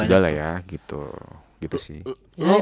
ya sudah lah ya gitu gitu sih